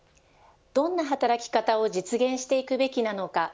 どんな働き方を実現していくべきなのか。